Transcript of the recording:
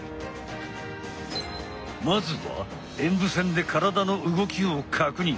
まずは演武線で体の動きを確認。